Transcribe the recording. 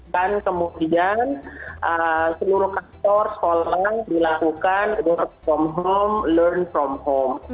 kemudian seluruh kantor sekolah dilakukan work from home learn from home